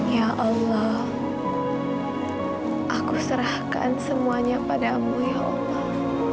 ya allah aku serahkan semuanya padamu ya allah